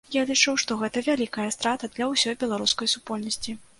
Я лічу, што гэта вялікая страта для ўсёй беларускай супольнасці.